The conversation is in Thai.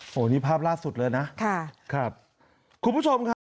โอ้โหนี่ภาพล่าสุดเลยนะค่ะครับคุณผู้ชมครับ